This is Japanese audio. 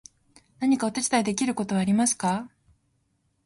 何かお手伝いできることはありますか？